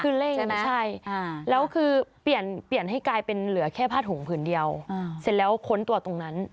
คือเร่งใช่ไหมใช่แล้วคือเปลี่ยนเปลี่ยนให้กลายเป็นเหลือแค่ผ้าถุงผืนเดียวเสร็จแล้วค้นตัวตรงนั้น